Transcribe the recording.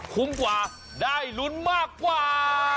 คุ้มกว่าได้ลุ้นมากกว่า